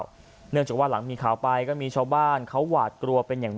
เนื่องจากว่าหลังมีข่าวไปก็มีชาวบ้านเขาหวาดกลัวเป็นอย่าง